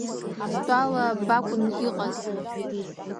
Стәала, бакән иҟаз,…